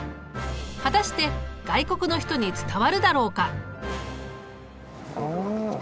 果たして外国の人に伝わるだろうか。